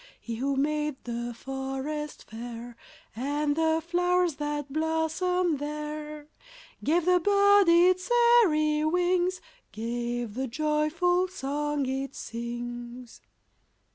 He who made the forest fair, And the flowers that blossom there, Gave the bird its airy wings, Gave the joyful song it sings. Chorus.